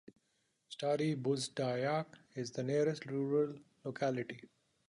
Stary Buzdyak is the nearest rural locality.